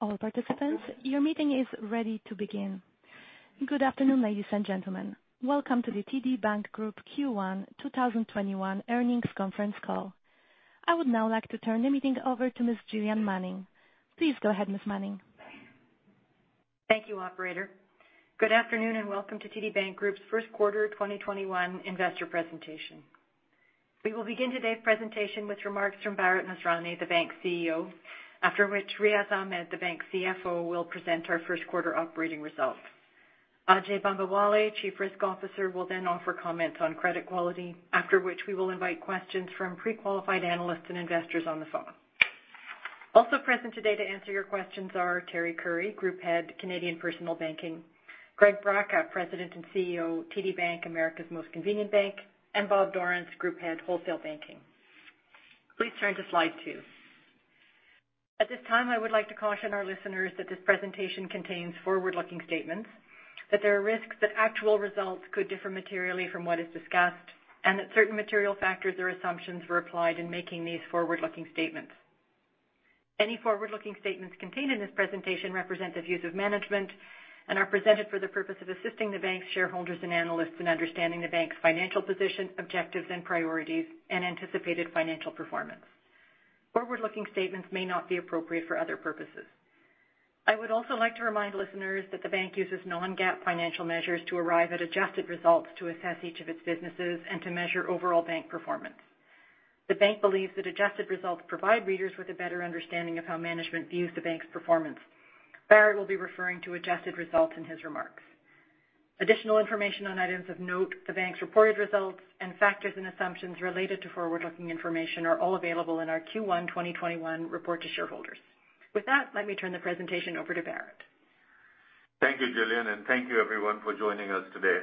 Good afternoon, ladies and gentlemen. Welcome to the TD Bank Group Q1 2021 earnings conference call. I would now like to turn the meeting over to Ms. Gillian Manning. Please go ahead, Ms. Manning. Thank you, operator. Good afternoon, and welcome to TD Bank Group's first quarter 2021 investor presentation. We will begin today's presentation with remarks from Bharat Masrani, the bank's CEO, after which Riaz Ahmed, the bank's CFO, will present our first quarter operating results. Ajai Bambawale, Chief Risk Officer, will then offer comments on credit quality, after which we will invite questions from pre-qualified analysts and investors on the phone. Also present today to answer your questions are Teri Currie, Group Head, Canadian Personal Banking. Greg Braca, President and CEO, TD Bank, America's Most Convenient Bank; and Bob Dorrance, Group Head, Wholesale Banking. Please turn to slide two. At this time, I would like to caution our listeners that this presentation contains forward-looking statements, that there are risks that actual results could differ materially from what is discussed, and that certain material factors or assumptions were applied in making these forward-looking statements. Any forward-looking statements contained in this presentation represent the views of management and are presented for the purpose of assisting the bank's shareholders and analysts in understanding the bank's financial position, objectives and priorities, and anticipated financial performance. Forward-looking statements may not be appropriate for other purposes. I would also like to remind listeners that the bank uses non-GAAP financial measures to arrive at adjusted results to assess each of its businesses and to measure overall bank performance. The bank believes that adjusted results provide readers with a better understanding of how management views the bank's performance. Bharat will be referring to adjusted results in his remarks. Additional information on items of note, the bank's reported results, and factors and assumptions related to forward-looking information are all available in our Q1 2021 report to shareholders. With that, let me turn the presentation over to Bharat. Thank you, Gillian, and thank you, everyone, for joining us today.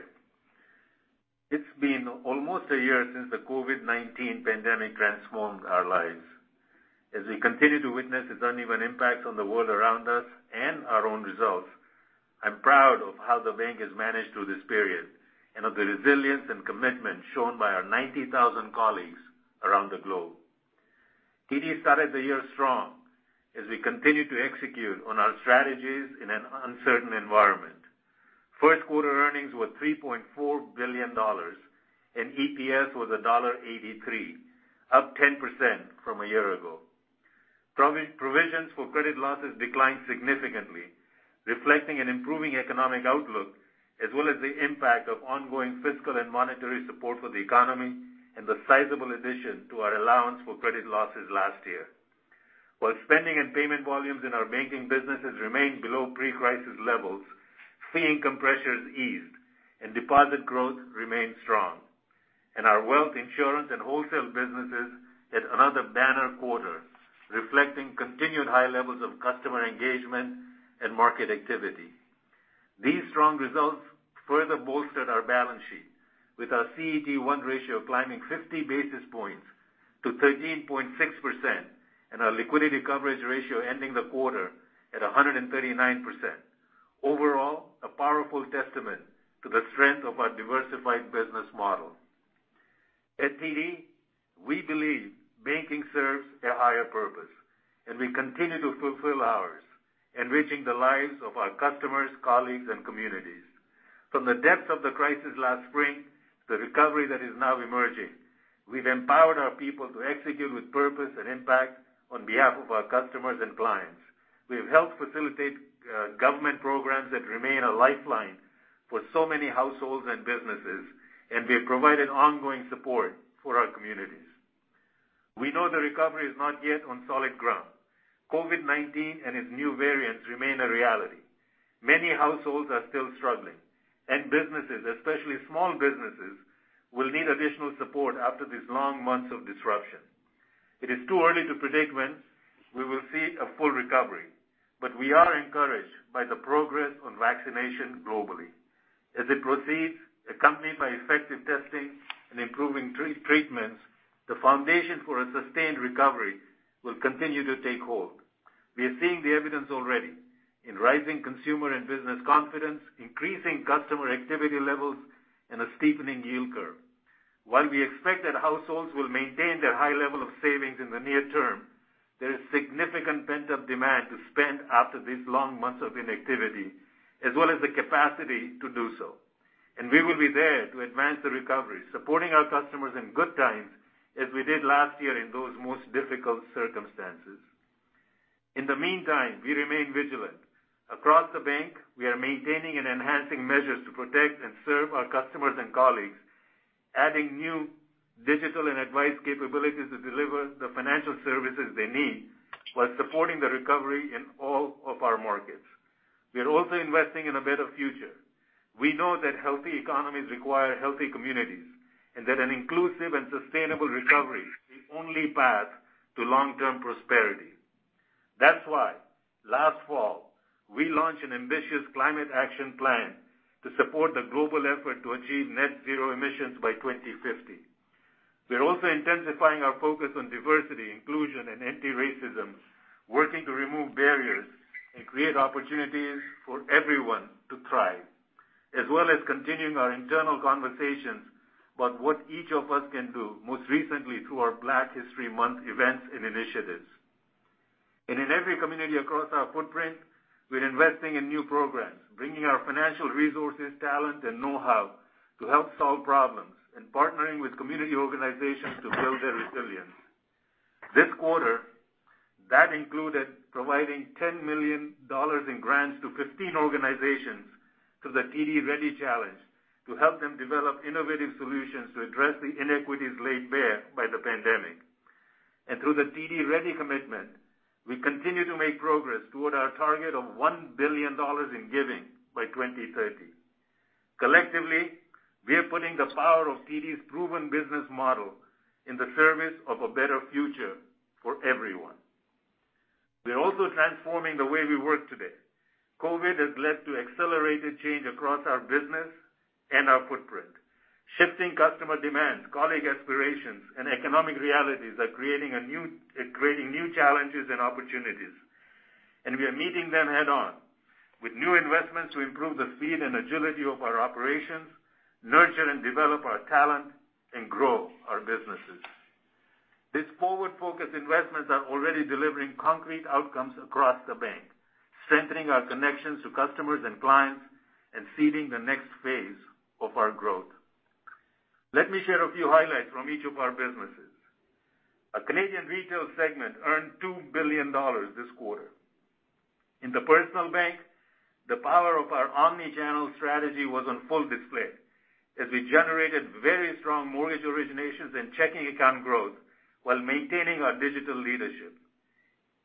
It's been almost a year since the COVID-19 pandemic transformed our lives. As we continue to witness its uneven impact on the world around us and our own results, I'm proud of how the bank has managed through this period and of the resilience and commitment shown by our 90,000 colleagues around the globe. TD started the year strong as we continued to execute on our strategies in an uncertain environment. First quarter earnings were 3.4 billion dollars, and EPS was dollar 1.83, up 10% from a year ago. Provisions for credit losses declined significantly, reflecting an improving economic outlook as well as the impact of ongoing fiscal and monetary support for the economy and the sizable addition to our allowance for credit losses last year. While spending and payment volumes in our banking businesses remained below pre-crisis levels, fee income pressures eased and deposit growth remained strong. Our wealth insurance and wholesale businesses had another banner quarter, reflecting continued high levels of customer engagement and market activity. These strong results further bolstered our balance sheet, with our CET1 ratio climbing 50 basis points to 13.6%, and our liquidity coverage ratio ending the quarter at 139%. Overall, a powerful testament to the strength of our diversified business model. At TD, we believe banking serves a higher purpose, and we continue to fulfill ours, enriching the lives of our customers, colleagues, and communities. From the depths of the crisis last spring to the recovery that is now emerging, we've empowered our people to execute with purpose and impact on behalf of our customers and clients. We have helped facilitate government programs that remain a lifeline for so many households and businesses, and we have provided ongoing support for our communities. We know the recovery is not yet on solid ground. COVID-19 and its new variants remain a reality. Many households are still struggling, and businesses, especially small businesses, will need additional support after these long months of disruption. It is too early to predict when we will see a full recovery, but we are encouraged by the progress on vaccination globally. As it proceeds, accompanied by effective testing and improving treatments, the foundation for a sustained recovery will continue to take hold. We are seeing the evidence already in rising consumer and business confidence, increasing customer activity levels, and a steepening yield curve. While we expect that households will maintain their high level of savings in the near term, there is significant pent-up demand to spend after these long months of inactivity, as well as the capacity to do so. We will be there to advance the recovery, supporting our customers in good times as we did last year in those most difficult circumstances. In the meantime, we remain vigilant. Across the bank, we are maintaining and enhancing measures to protect and serve our customers and colleagues, adding new digital and advice capabilities to deliver the financial services they need while supporting the recovery in all of our markets. We are also investing in a better future. We know that healthy economies require healthy communities, and that an inclusive and sustainable recovery is the only path to long-term prosperity. That's why last fall, we launched an ambitious climate action plan to support the global effort to achieve net zero emissions by 2050. We are also intensifying our focus on diversity, inclusion, and anti-racism, working to remove barriers and create opportunities for everyone to thrive. As well as continuing our internal conversations about what each of us can do, most recently through our Black History Month events and initiatives. In every community across our footprint, we're investing in new programs, bringing our financial resources, talent, and know-how to help solve problems and partnering with community organizations to build their resilience. This quarter, that included providing 10 million dollars in grants to 15 organizations through the TD Ready Challenge to help them develop innovative solutions to address the inequities laid bare by the pandemic. Through the TD Ready Commitment, we continue to make progress toward our target of 1 billion dollars in giving by 2030. Collectively, we are putting the power of TD's proven business model in the service of a better future for everyone. We are also transforming the way we work today. COVID has led to accelerated change across our business and our footprint. Shifting customer demands, colleague aspirations, and economic realities are creating new challenges and opportunities, and we are meeting them head-on with new investments to improve the speed and agility of our operations, nurture and develop our talent, and grow our businesses. These forward-focused investments are already delivering concrete outcomes across the bank, strengthening our connections to customers and clients, and seeding the next phase of our growth. Let me share a few highlights from each of our businesses. Our Canadian Retail segment earned 2 billion dollars this quarter. In the personal bank, the power of our omni-channel strategy was on full display as we generated very strong mortgage originations and checking account growth while maintaining our digital leadership.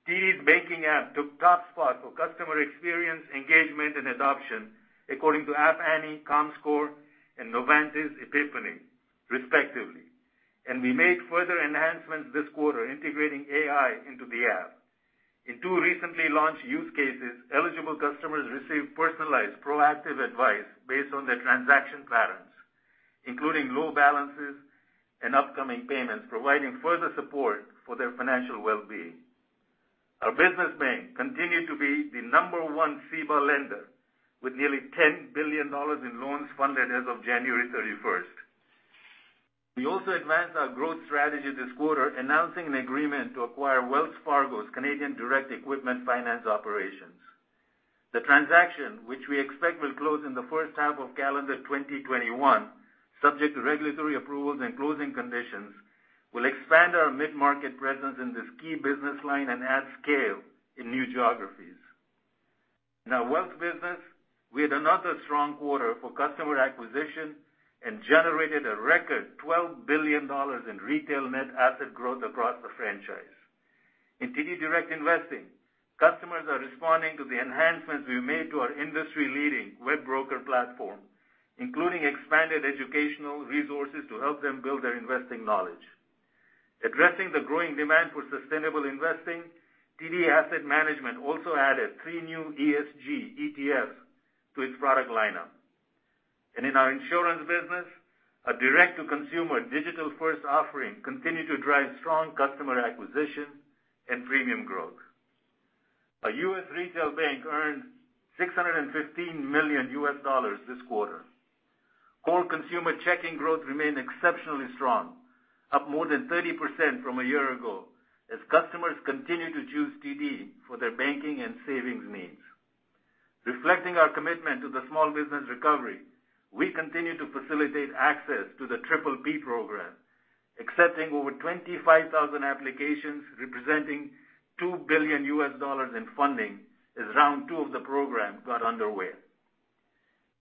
TD's banking app took top spot for customer experience, engagement, and adoption, according to App Annie, Comscore, and Novantas/Epiphany, respectively, and we made further enhancements this quarter integrating AI into the app. In two recently launched use cases, eligible customers received personalized, proactive advice based on their transaction patterns, including low balances and upcoming payments, providing further support for their financial well-being. Our business bank continued to be the number one CEBA lender with nearly 10 billion dollars in loans funded as of January 31st. We also advanced our growth strategy this quarter, announcing an agreement to acquire Wells Fargo's Canadian direct equipment finance operations. The transaction, which we expect will close in the first half of calendar 2021, subject to regulatory approvals and closing conditions, will expand our mid-market presence in this key business line and add scale in new geographies. In our wealth business, we had another strong quarter for customer acquisition and generated a record 12 billion dollars in retail net asset growth across the franchise. In TD Direct Investing, customers are responding to the enhancements we made to our industry-leading WebBroker platform, including expanded educational resources to help them build their investing knowledge. Addressing the growing demand for sustainable investing, TD Asset Management also added three new ESG ETFs to its product lineup. In our insurance business, a direct-to-consumer digital-first offering continued to drive strong customer acquisition and premium growth. Our U.S. Retail bank earned $615 million this quarter. Core consumer checking growth remained exceptionally strong, up more than 30% from a year ago as customers continue to choose TD for their banking and savings needs. Reflecting our commitment to the small business recovery, we continue to facilitate access to the PPP program, accepting over 25,000 applications representing $2 billion in funding as round two of the program got underway.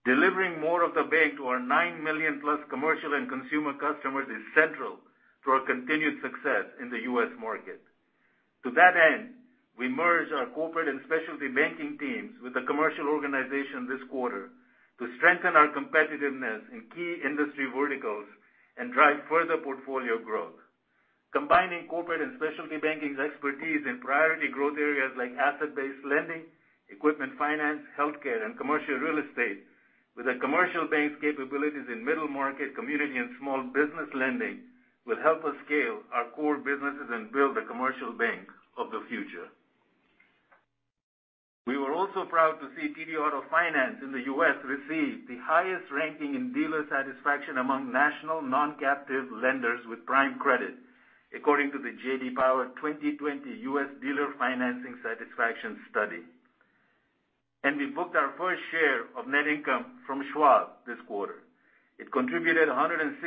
Delivering more of the bank to our 9 million-plus commercial and consumer customers is central to our continued success in the U.S. market. To that end, we merged our corporate and specialty banking teams with the commercial organization this quarter to strengthen our competitiveness in key industry verticals and drive further portfolio growth. Combining corporate and specialty banking's expertise in priority growth areas like asset-based lending, equipment finance, healthcare, and commercial real estate with a commercial bank's capabilities in middle market community and small business lending will help us scale our core businesses and build the commercial bank of the future. We were also proud to see TD Auto Finance in the U.S. receive the highest ranking in dealer satisfaction among national non-captive lenders with prime credit, according to the J.D. Power 2020 U.S. Dealer Financing Satisfaction Study. We booked our first share of net income from Schwab this quarter. It contributed $161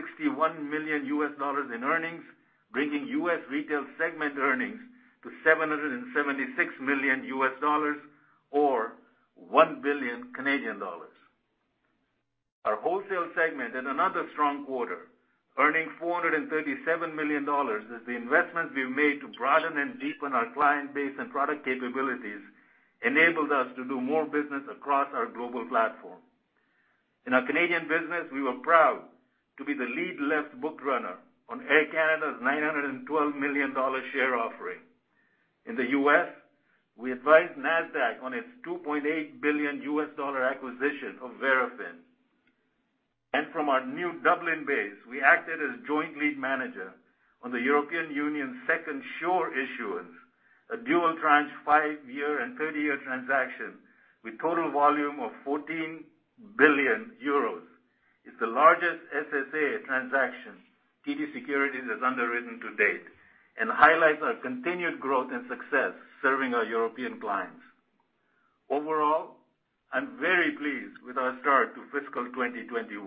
million in earnings, bringing U.S. Retail segment earnings to $776 million, or CAD 1 billion. Our Wholesale Banking segment had another strong quarter, earning 437 million dollars as the investments we've made to broaden and deepen our client base and product capabilities enabled us to do more business across our global platform. In our Canadian business, we were proud to be the lead left bookrunner on Air Canada's 912 million dollar share offering. In the U.S., we advised Nasdaq on its $2.8 billion acquisition of Verafin. From our new Dublin base, we acted as joint lead manager on the European Union's second SURE issuance, a dual tranche five-year and 30-year transaction with total volume of 14 billion euros. It's the largest SSA transaction TD Securities has underwritten to date and highlights our continued growth and success serving our European clients. Overall, I'm very pleased with our start to fiscal 2021.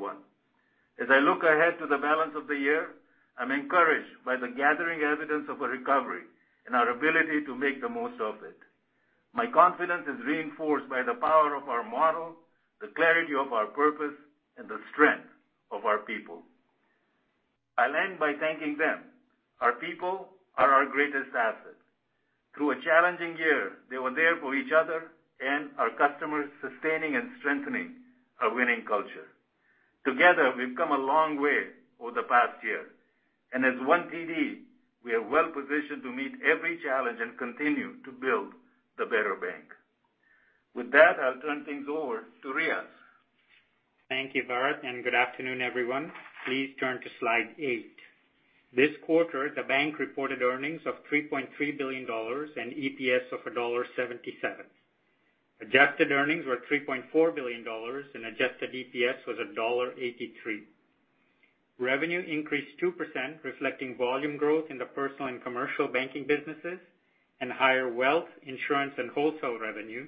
As I look ahead to the balance of the year, I'm encouraged by the gathering evidence of a recovery and our ability to make the most of it. My confidence is reinforced by the power of our model, the clarity of our purpose, and the strength of our people. I'll end by thanking them. Our people are our greatest asset. Through a challenging year, they were there for each other and our customers, sustaining and strengthening our winning culture. Together, we've come a long way over the past year, and as One TD, we are well-positioned to meet every challenge and continue to build the better bank. With that, I'll turn things over to Riaz. Thank you, Bharat. Good afternoon, everyone. Please turn to Slide eight. This quarter, the bank reported earnings of 3.3 billion dollars and EPS of dollar 1.77. Adjusted earnings were 3.4 billion dollars and adjusted EPS was dollar 1.83. Revenue increased 2%, reflecting volume growth in the personal and commercial banking businesses and higher wealth, insurance, and wholesale revenue,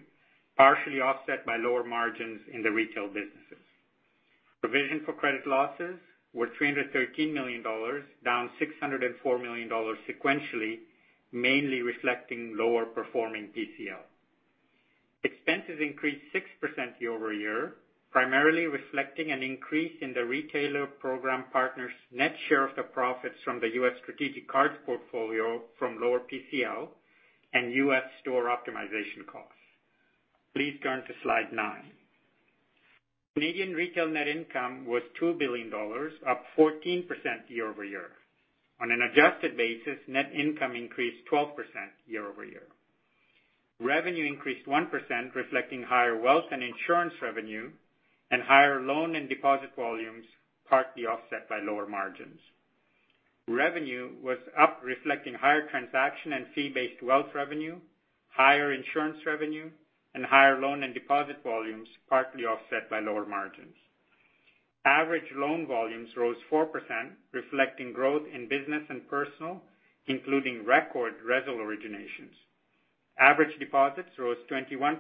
partially offset by lower margins in the retail businesses. Provision for credit losses were 313 million dollars, down 604 million dollars sequentially, mainly reflecting lower performing PCL. Expenses increased 6% year-over-year, primarily reflecting an increase in the retailer program partners' net share of the profits from the U.S. strategic cards portfolio from lower PCL and U.S. store optimization costs. Please turn to Slide nine. Canadian Retail net income was 2 billion dollars, up 14% year-overyear. On an adjusted basis, net income increased 12% year-over-year. Revenue increased 1%, reflecting higher wealth and insurance revenue and higher loan and deposit volumes, partly offset by lower margins. Revenue was up, reflecting higher transaction and fee-based wealth revenue, higher insurance revenue, and higher loan and deposit volumes, partly offset by lower margins. Average loan volumes rose 4%, reflecting growth in business and personal, including record RESL originations. Average deposits rose 21%,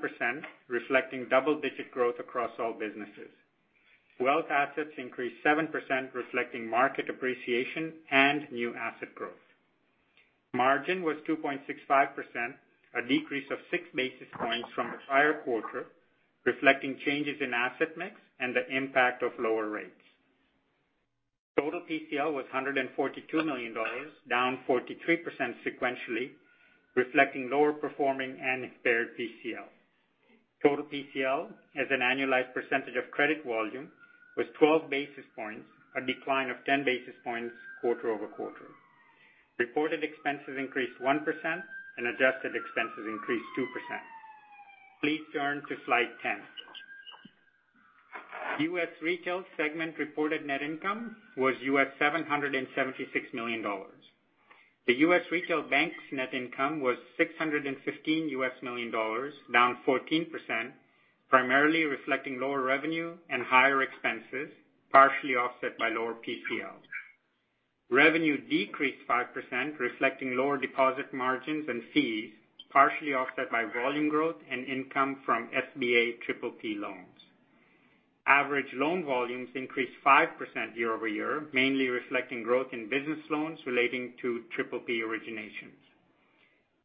reflecting double-digit growth across all businesses. Wealth assets increased 7%, reflecting market appreciation and new asset growth. Margin was 2.65%, a decrease of six basis points from the prior quarter, reflecting changes in asset mix and the impact of lower rates. Total PCL was 142 million dollars, down 43% sequentially, reflecting lower performing and impaired PCL. Total PCL as an annualized percentage of credit volume was 12 basis points, a decline of 10 basis points quarter-over-quarter. Reported expenses increased 1%, and adjusted expenses increased 2%. Please turn to slide 10. U.S. Retail segment reported net income was $776 million. The U.S. Retail Bank's net income was $615 million, down 14%, primarily reflecting lower revenue and higher expenses, partially offset by lower PCLs. Revenue decreased 5%, reflecting lower deposit margins and fees, partially offset by volume growth and income from SBA PPP loans. Average loan volumes increased 5% year-over-year, mainly reflecting growth in business loans relating to PPP originations.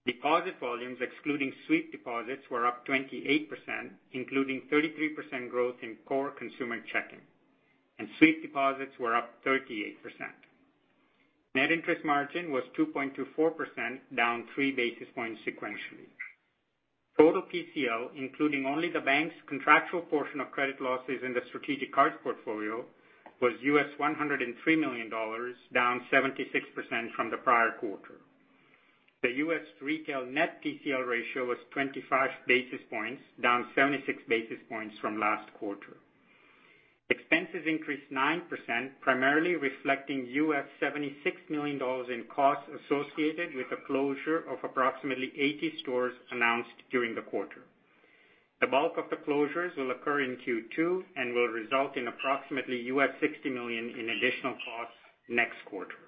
Deposit volumes, excluding sweep deposits, were up 28%, including 33% growth in core consumer checking, and sweep deposits were up 38%. Net interest margin was 2.24%, down three basis points sequentially. Total PCL, including only the bank's contractual portion of credit losses in the strategic cards portfolio, was $103 million, down 76% from the prior quarter. The U.S. Retail net PCL ratio was 25 basis points, down 76 basis points from last quarter. Expenses increased 9%, primarily reflecting $76 million in costs associated with the closure of approximately 80 stores announced during the quarter. The bulk of the closures will occur in Q2 and will result in approximately $60 million in additional costs next quarter.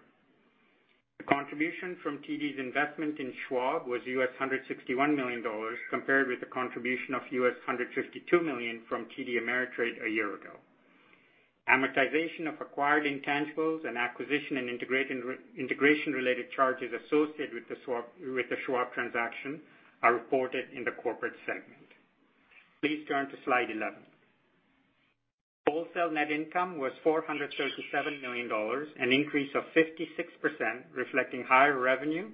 The contribution from TD's investment in Schwab was $161 million, compared with a contribution of $152 million from TD Ameritrade a year ago. Amortization of acquired intangibles and acquisition and integration-related charges associated with the Schwab transaction are reported in the corporate segment. Please turn to slide 11. Wholesale net income was 437 million dollars, an increase of 56%, reflecting higher revenue,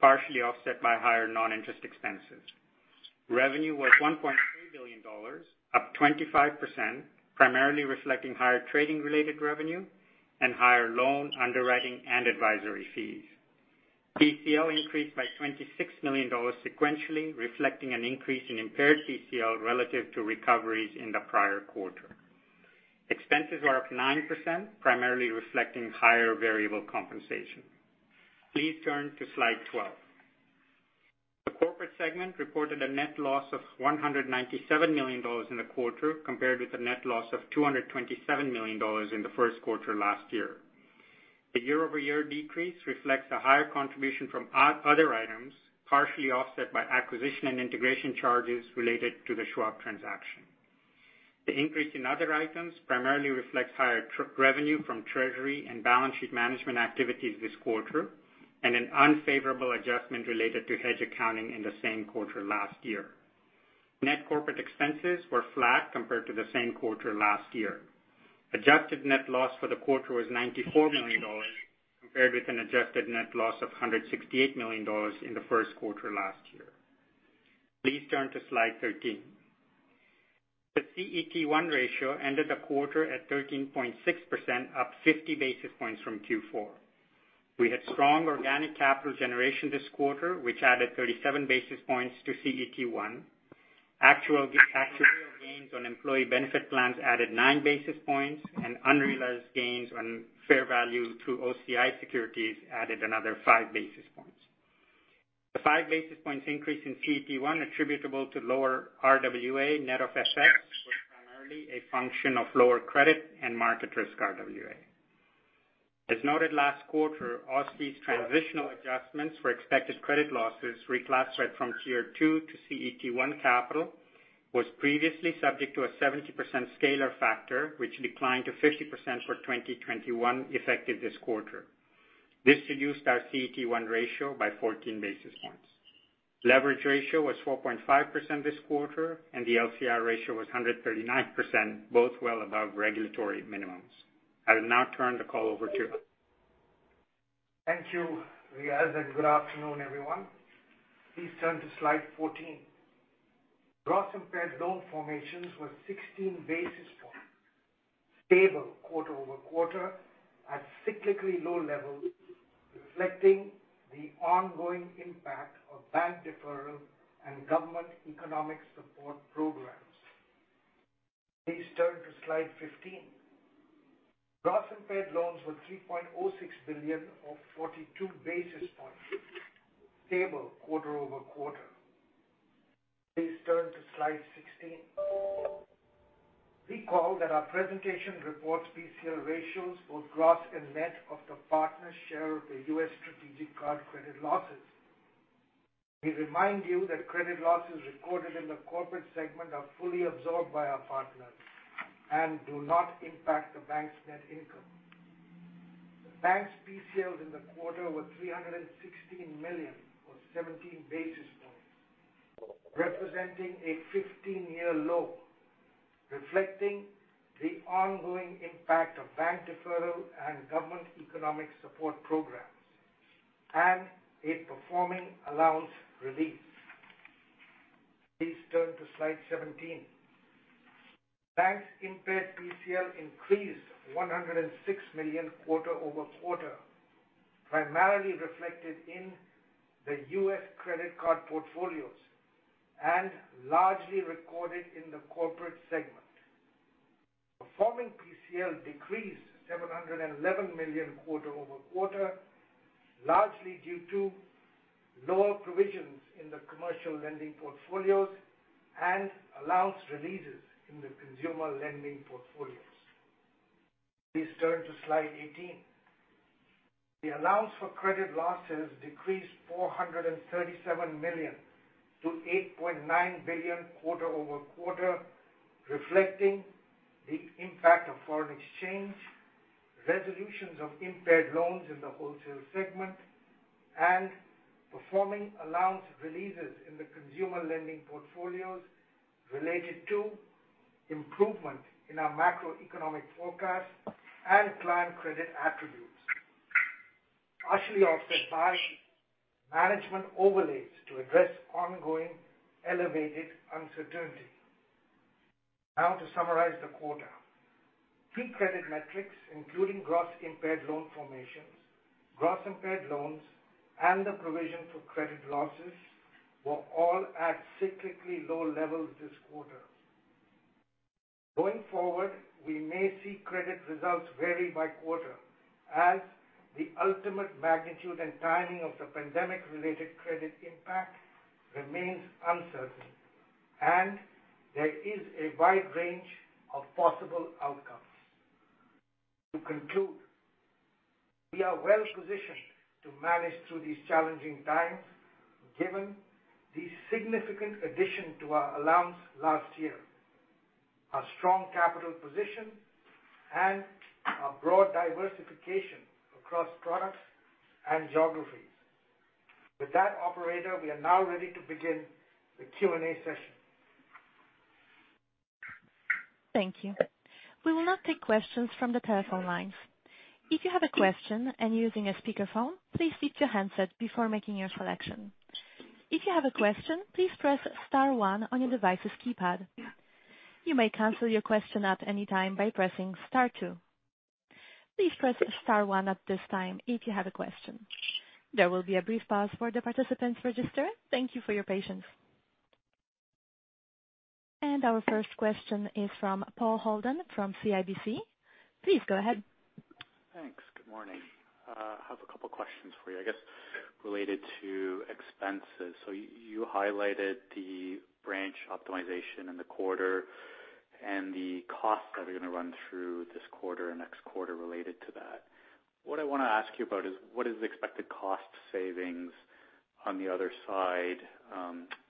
partially offset by higher non-interest expenses. Revenue was 1.3 billion dollars, up 25%, primarily reflecting higher trading-related revenue and higher loan underwriting and advisory fees. PCL increased by 26 million dollars sequentially, reflecting an increase in impaired PCL relative to recoveries in the prior quarter. Expenses were up 9%, primarily reflecting higher variable compensation. Please turn to Slide 12. The Corporate segment reported a net loss of 197 million dollars in the quarter compared with a net loss of 227 million dollars in the first quarter last year. The year-over-year decrease reflects a higher contribution from other items, partially offset by acquisition and integration charges related to the Schwab transaction. The increase in other items primarily reflects higher revenue from treasury and balance sheet management activities this quarter, and an unfavorable adjustment related to hedge accounting in the same quarter last year. Net corporate expenses were flat compared to the same quarter last year. Adjusted net loss for the quarter was 94 million dollars, compared with an adjusted net loss of 168 million dollars in the first quarter last year. Please turn to Slide 13. The CET1 ratio ended the quarter at 13.6%, up 50 basis points from Q4. We had strong organic capital generation this quarter, which added 37 basis points to CET1. Actual gains on employee benefit plans added nine basis points, and unrealized gains on fair value through OCI securities added another five basis points. The five basis points increase in CET1 attributable to lower RWA net of FX was primarily a function of lower credit and market risk RWA. As noted last quarter, OSFI's transitional adjustments for expected credit losses reclassified from Tier 2 to CET1 capital was previously subject to a 70% scalar factor, which declined to 50% for 2021 effective this quarter. This reduced our CET1 ratio by 14 basis points. Leverage ratio was 4.5% this quarter, and the LCR ratio was 139%, both well above regulatory minimums. I will now turn the call over to Ajai. Thank you, Riaz. Good afternoon, everyone. Please turn to Slide 14. Gross impaired loan formations were 16 basis points, stable quarter-over-quarter at cyclically low levels, reflecting the ongoing impact of bank deferral and government economic support programs. Please turn to Slide 15. Gross impaired loans were 3.06 billion or 42 basis points, stable quarter-over-quarter. Please turn to Slide 16. Recall that our presentation reports PCL ratios, both gross and net, of the partners' share of the U.S. strategic card credit losses. We remind you that credit losses recorded in the corporate segment are fully absorbed by our partners and do not impact the bank's net income. The bank's PCL in the quarter were 316 million or 17 basis points, representing a 15-year low, reflecting the ongoing impact of bank deferral and government economic support programs, and a performing allowance release. Please turn to Slide 17. Bank's impaired PCL increased 106 million quarter-over-quarter, primarily reflected in the U.S. credit card portfolios and largely recorded in the corporate segment. Performing PCL decreased 711 million quarter-over-quarter, largely due to lower provisions in the commercial lending portfolios and allowance releases in the consumer lending portfolios. Please turn to Slide 18. The allowance for credit losses decreased 437 million-8.9 billion quarter-over-quarter, reflecting the impact of foreign exchange, resolutions of impaired loans in the Wholesale segment, and performing allowance releases in the consumer lending portfolios related to improvement in our macroeconomic forecast and client credit attributes, partially offset by management overlays to address ongoing elevated uncertainty. To summarize the quarter. Key credit metrics, including gross impaired loan formations, gross impaired loans, and the provision for credit losses, were all at cyclically low levels this quarter. Going forward, we may see credit results vary by quarter as the ultimate magnitude and timing of the pandemic-related credit impact remains uncertain, and there is a wide range of possible outcomes. To conclude, we are well-positioned to manage through these challenging times given the significant addition to our allowance last year, our strong capital position, and our broad diversification across products and geographies. With that, operator, we are now ready to begin the Q&A Session. Thank you. We will now take questions from the telephone lines. If you have a question and you're using a speakerphone, please mute your handset before making your selection. If you have a question, please press star one on your device's keypad. You may cancel your question at any time by pressing star two. Please press star one at this time if you have a question. There will be a brief pause for the participants register. Thank you for your patience. Our first question is from Paul Holden from CIBC. Please go ahead. Thanks. Good morning. I have a couple questions for you, I guess, related to expenses. You highlighted the branch optimization in the quarter and the costs that are going to run through this quarter and next quarter related to that. What I want to ask you about is what is the expected cost savings on the other side?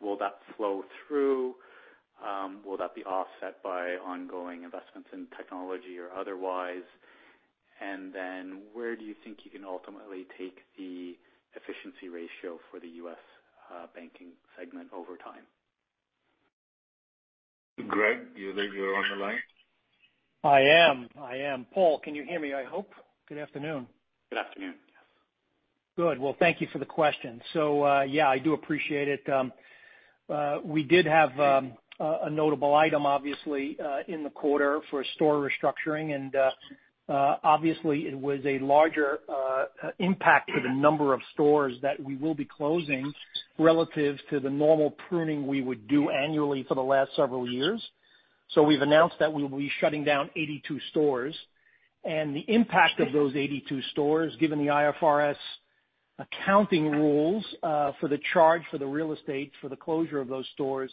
Will that flow through? Will that be offset by ongoing investments in technology or otherwise? Where do you think you can ultimately take the efficiency ratio for the U.S. banking segment over time? Greg, do you think you're on the line? I am. Paul, can you hear me, I hope? Good afternoon. Good afternoon. Good. Well, thank you for the question. Yeah, I do appreciate it. We did have a notable item, obviously, in the quarter for store restructuring, and obviously it was a larger impact for the number of stores that we will be closing relative to the normal pruning we would do annually for the last several years. We've announced that we will be shutting down 82 stores. The impact of those 82 stores, given the IFRS accounting rules for the charge for the real estate for the closure of those stores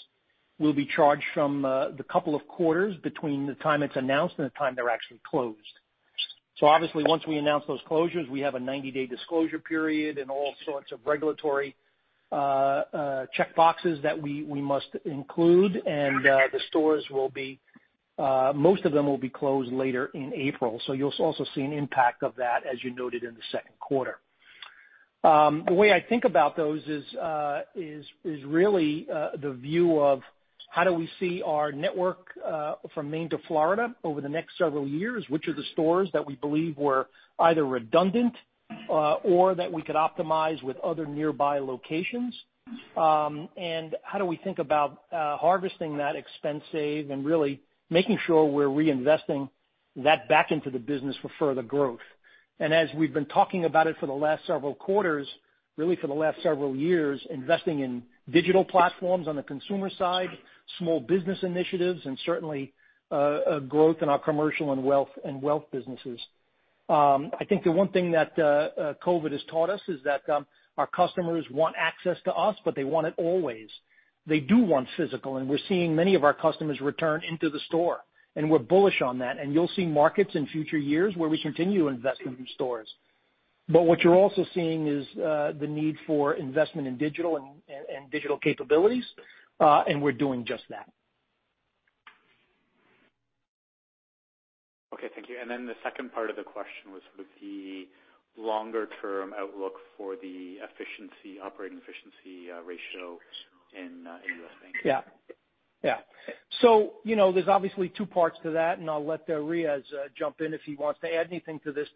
will be charged from the couple of quarters between the time it's announced and the time they're actually closed. Obviously, once we announce those closures, we have a 90-day disclosure period and all sorts of regulatory checkboxes that we must include. The stores, most of them will be closed later in April. You'll also see an impact of that, as you noted in the second quarter. The way I think about those is really the view of how do we see our network from Maine to Florida over the next several years, which are the stores that we believe were either redundant or that we could optimize with other nearby locations. How do we think about harvesting that expense save and really making sure we're reinvesting that back into the business for further growth. As we've been talking about it for the last several quarters, really for the last several years, investing in digital platforms on the consumer side, small business initiatives, and certainly a growth in our commercial and wealth businesses. I think the one thing COVID has taught us is that our customers want access to us, but they want it always. They do want physical, and we're seeing many of our customers return into the store, and we're bullish on that. You'll see markets in future years where we continue investing in stores. What you're also seeing is the need for investment in digital and digital capabilities, and we're doing just that. Okay, thank you. The second part of the question was sort of the longer-term outlook for the operating efficiency ratio in U.S. Retail. There's obviously two parts to that, and I'll let Riaz jump in if he wants to add anything to this.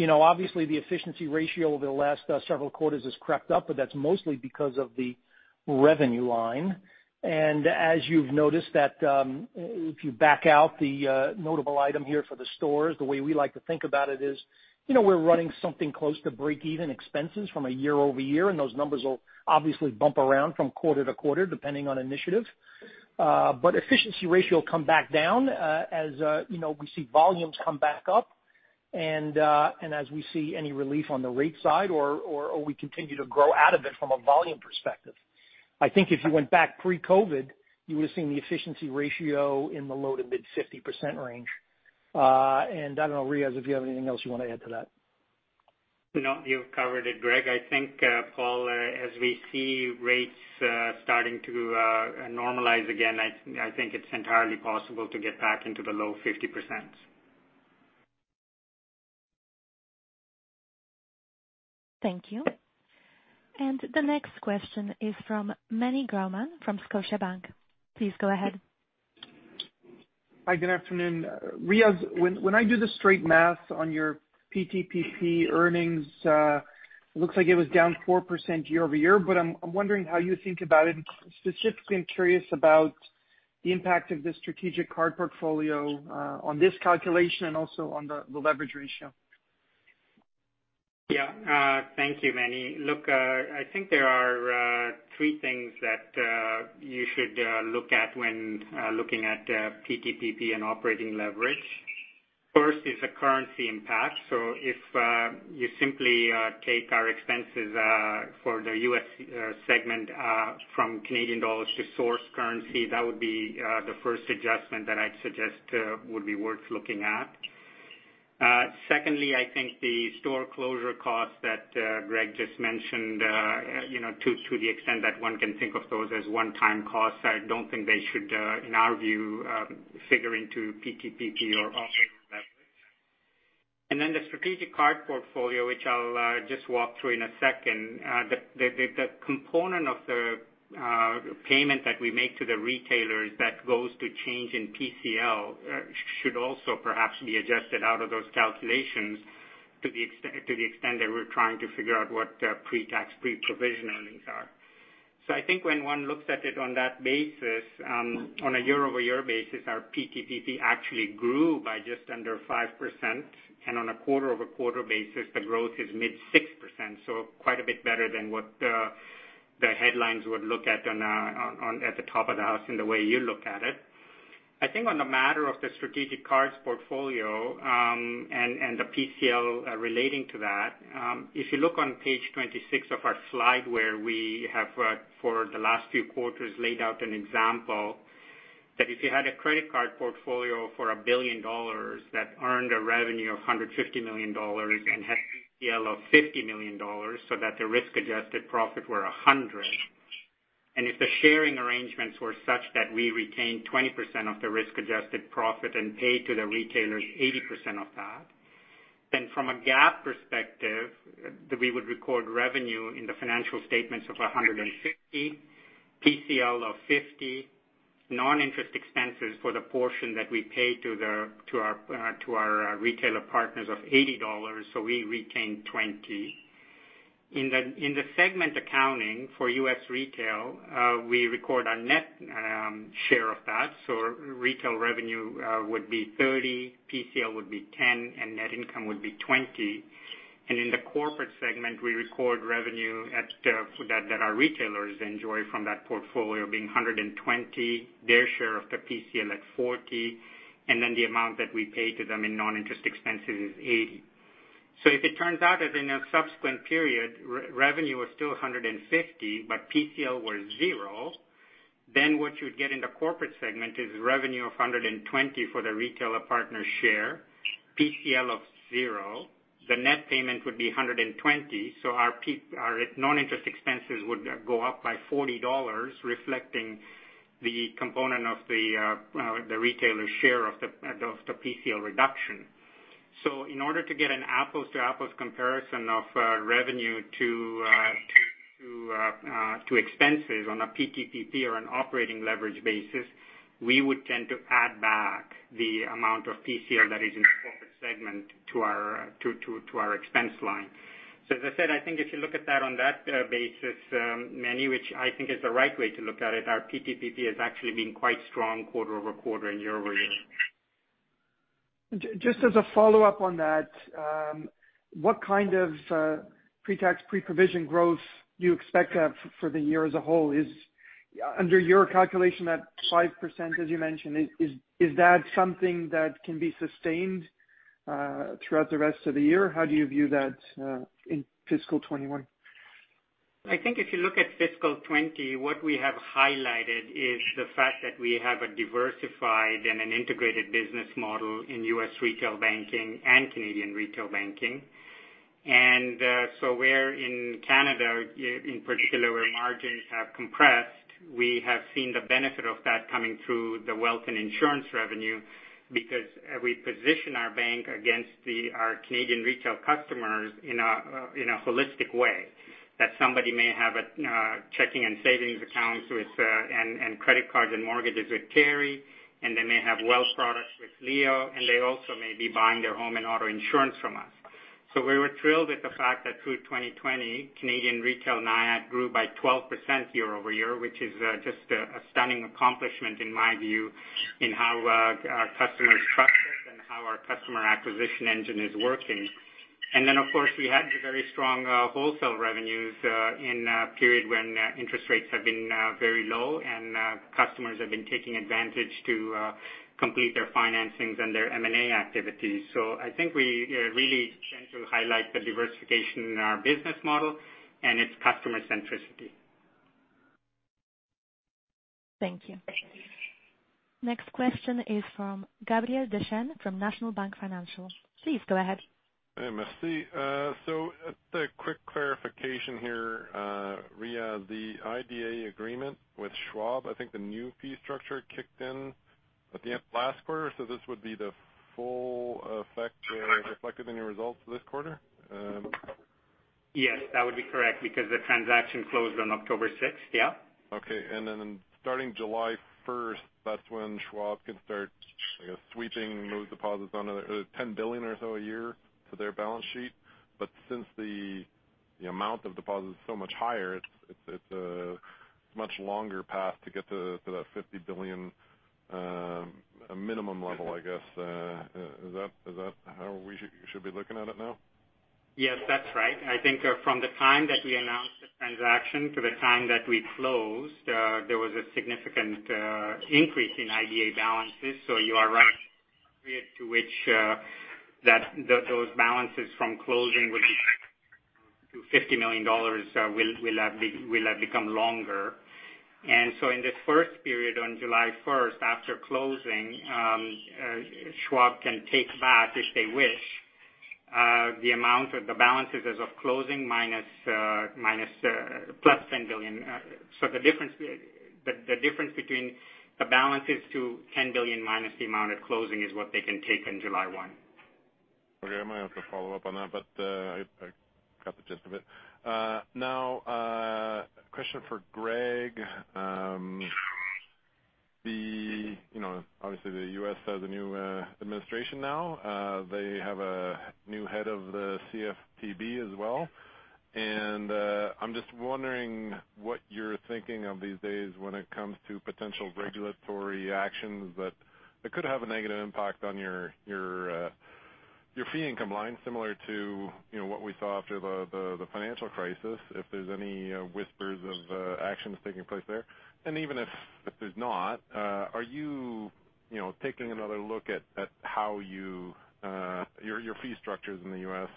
Obviously the efficiency ratio over the last several quarters has crept up, but that's mostly because of the revenue line. As you've noticed that if you back out the notable item here for the stores, the way we like to think about it is we're running something close to breakeven expenses from a year-over-year, and those numbers will obviously bump around from quarter-to-quarter, depending on initiative. Efficiency ratio will come back down as we see volumes come back up and as we see any relief on the rate side or we continue to grow out of it from a volume perspective. I think if you went back pre-COVID, you would have seen the efficiency ratio in the low to mid 50% range. I don't know, Riaz, if you have anything else you want to add to that. No, you've covered it, Greg. I think, Paul as we see rates starting to normalize again, I think it's entirely possible to get back into the low 50%. Thank you. The next question is from Meny Grauman from Scotiabank. Please go ahead. Hi, good afternoon. Riaz, when I do the straight math on your PTPP earnings, it looks like it was down 4% year-over-year, but I'm wondering how you think about it. Specifically, I'm curious about the impact of the strategic card portfolio on this calculation and also on the leverage ratio. Thank you, Meny. I think there are three things that you should look at when looking at PTPP and operating leverage. First is the currency impact. If you simply take our expenses for the U.S. segment from Canadian dollars to source currency, that would be the first adjustment that I'd suggest would be worth looking at. Secondly, I think the store closure costs that Greg just mentioned to the extent that one can think of those as one-time costs, I don't think they should, in our view, figure into PTPP or operating leverage. The strategic card portfolio, which I'll just walk through in a second. The component of the payment that we make to the retailers that goes to change in PCL should also perhaps be adjusted out of those calculations. To the extent that we're trying to figure out what pre-tax pre-provision earnings are. I think when one looks at it on that basis, on a year-over-year basis, our PTPP actually grew by just under 5%, and on a quarter-over-quarter basis, the growth is mid 6%, quite a bit better than what the headlines would look at on at the top of the house in the way you look at it. I think on the matter of the strategic cards portfolio, and the PCL relating to that, if you look on page 26 of our slide, where we have for the last few quarters laid out an example, that if you had a credit card portfolio for 1 billion dollars that earned a revenue of 150 million dollars and had PCL of 50 million dollars so that the risk-adjusted profit were 100. If the sharing arrangements were such that we retained 20% of the risk-adjusted profit and paid to the retailers 80% of that, then from a GAAP perspective, we would record revenue in the financial statements of 150, PCL of 50, non-interest expenses for the portion that we pay to our retailer partners of 80 dollars, so we retain 20. In the segment accounting for U.S. Retail, we record our net share of that. Retail revenue would be 30, PCL would be 10, and net income would be 20. In the corporate segment, we record revenue that our retailers enjoy from that portfolio being 120, their share of the PCL at 40, and then the amount that we pay to them in non-interest expenses is 80. If it turns out that in a subsequent period, revenue was still 150, but PCL was zero, what you'd get in the corporate segment is revenue of 120 for the retailer partner share, PCL of zero. The net payment would be 120, our non-interest expenses would go up by 40 dollars, reflecting the component of the retailer share of the PCL reduction. In order to get an apples-to-apples comparison of revenue to expenses on a PTPP or an operating leverage basis, we would tend to add back the amount of PCL that is in the corporate segment to our expense line. As I said, I think if you look at that on that basis, Meny, which I think is the right way to look at it, our PTPP has actually been quite strong quarter-over-quarter and year-over-year. Just as a follow-up on that, what kind of pre-tax, pre-provision growth do you expect for the year as a whole? Is under your calculation at 5%, as you mentioned, is that something that can be sustained throughout the rest of the year? How do you view that in fiscal 2021? I think if you look at fiscal 2020, what we have highlighted is the fact that we have a diversified and an integrated business model in U.S. Retail banking and Canadian Retail banking. Where in Canada, in particular, where margins have compressed, we have seen the benefit of that coming through the wealth and insurance revenue because we position our bank against our Canadian Retail customers in a holistic way. That somebody may have a checking and savings accounts and credit cards and mortgages with Teri, and they may have wealth products with Leo, and they also may be buying their home and auto insurance from us. We were thrilled at the fact that through 2020, Canadian Retail NIAT grew by 12% year-over-year, which is just a stunning accomplishment in my view in how our customers trust us and how our customer acquisition engine is working. Of course, we had the very strong wholesale revenues in a period when interest rates have been very low and customers have been taking advantage to complete their financings and their M&A activities. I think we really tend to highlight the diversification in our business model and its customer centricity. Thank you. Next question is from Gabriel Dechaine from National Bank Financial. Please go ahead. Hi, Riaz. Just a quick clarification here, Riaz. The IDA agreement with Schwab, I think the new fee structure kicked in at the end of last quarter, this would be the full effect reflected in your results this quarter? Yes, that would be correct because the transaction closed on October 6th. Yeah. Okay. Starting July 1st, that's when Schwab can start sweeping those deposits on 10 billion or so a year to their balance sheet. Since the amount of deposit is so much higher, it's a much longer path to get to that 50 billion minimum level, I guess. Is that how we should be looking at it now? Yes, that is right. I think from the time that we announced the transaction to the time that we closed, there was a significant increase in IDA balances. You are right to which those balances from closing would be to 50 million dollars will have become longer. In this first period on July 1st after closing, Schwab can take back if they wish, the amount of the balances as of closing plus 10 billion. The difference between the balances to 10 billion minus the amount at closing is what they can take on July 1. Okay. I might have to follow up on that, but I got the gist of it. A question for Greg. The U.S. has a new administration now. They have a new head of the CFPB as well. I'm just wondering what you're thinking of these days when it comes to potential regulatory actions that could have a negative impact on your fee income line, similar to what we saw after the financial crisis, if there's any whispers of actions taking place there. Even if there's not, are you taking another look at your fee structures in the U.S.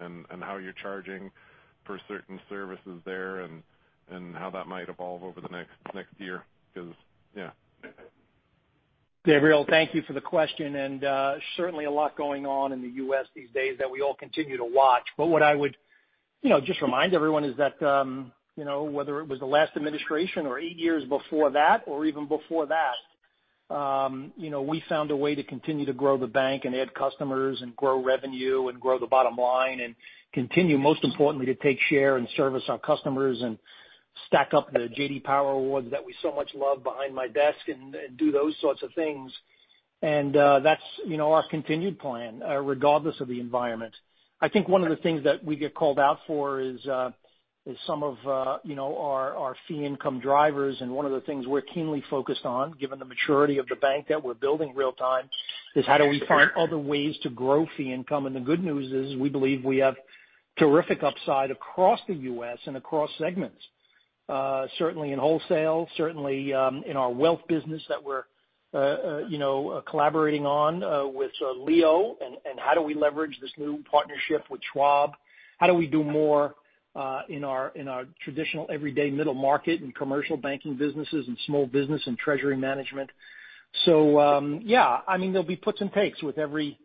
and how you're charging for certain services there, and how that might evolve over the next year? Because, yeah. Gabriel, thank you for the question. Certainly a lot going on in the U.S. these days that we all continue to watch. What I would just remind everyone is that whether it was the last administration or eight years before that, or even before that, we found a way to continue to grow the bank and add customers and grow revenue and grow the bottom line and continue, most importantly, to take share and service our customers and stack up the J.D. Power awards that we so much love behind my desk and do those sorts of things. That's our continued plan, regardless of the environment. I think one of the things that we get called out for is some of our fee income drivers. One of the things we're keenly focused on, given the maturity of the bank that we're building real time, is how do we find other ways to grow fee income. The good news is we believe we have terrific upside across the U.S. and across segments. Certainly in Wholesale, certainly in our wealth business that we're collaborating on with Leo, and how do we leverage this new partnership with Schwab? How do we do more in our traditional everyday middle market and commercial banking businesses and small business and treasury management? Yeah. There'll be puts and takes with every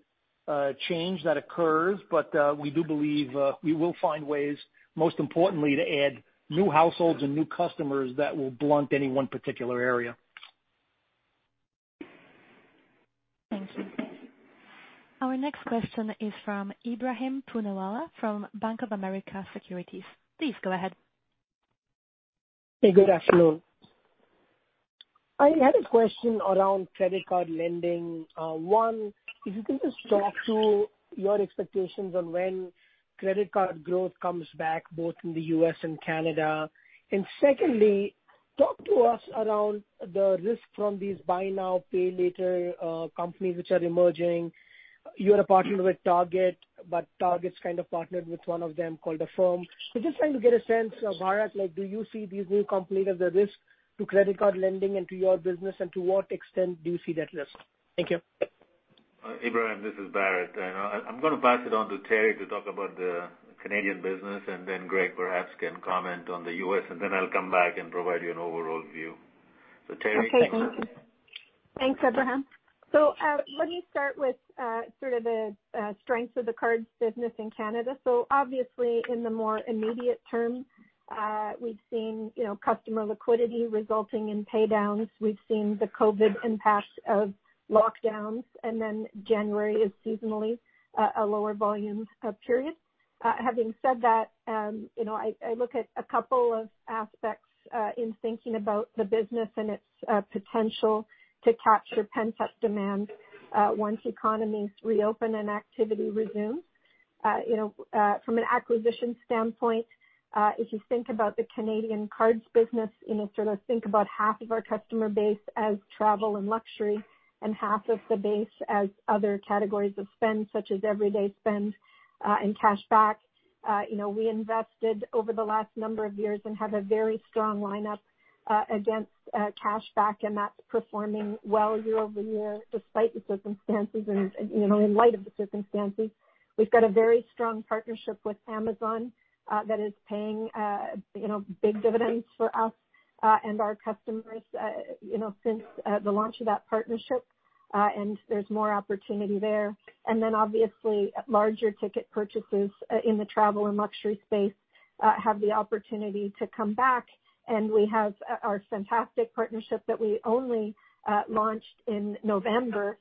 change that occurs, but we do believe we will find ways, most importantly, to add new households and new customers that will blunt any one particular area. Thank you. Our next question is from Ebrahim Poonawala from Bank of America Securities. Please go ahead. Hey, good afternoon. I had a question around credit card lending. One, if you can just talk to your expectations on when credit card growth comes back, both in the U.S. and Canada. Secondly, talk to us around the risk from these buy now, pay later companies which are emerging. You're a partner with Target, but Target's kind of partnered with one of them called Affirm. We're just trying to get a sense, Bharat, do you see these new companies as a risk to credit card lending and to your business, and to what extent do you see that risk? Thank you. Ebrahim, this is Bharat. I'm going to pass it on to Teri to talk about the Canadian business, and then Greg perhaps can comment on the U.S., and then I'll come back and provide you an overall view. Teri? Thank you. Thanks, Ebrahim. Let me start with sort of the strengths of the cards business in Canada. Obviously in the more immediate term, we've seen customer liquidity resulting in pay downs. We've seen the COVID impacts of lockdowns. January is seasonally a lower volume period. Having said that, I look at a couple of aspects in thinking about the business and its potential to capture pent-up demand once economies reopen and activity resumes. From an acquisition standpoint, if you think about the Canadian cards business, think about half of our customer base as travel and luxury, and half of the base as other categories of spend, such as everyday spend and cash back. We invested over the last number of years and have a very strong lineup against cash back. That's performing well year-over-year despite the circumstances and in light of the circumstances. We've got a very strong partnership with Amazon that is paying big dividends for us and our customers since the launch of that partnership. There's more opportunity there. Obviously, larger ticket purchases in the travel and luxury space have the opportunity to come back. We have our fantastic partnership that we only launched in November